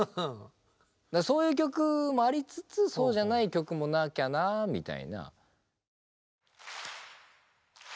だからそういう曲もありつつそうじゃない曲もなきゃなあみたいな。